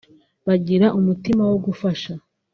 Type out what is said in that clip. bagira umutima wo gufasha